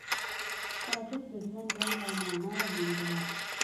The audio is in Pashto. تعجب د ژوند رنګ او مانا وموندله